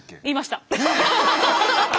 言いました！